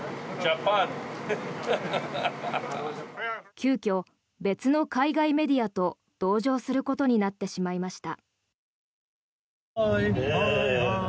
急きょ、別の海外メディアと同乗することになってしまいました。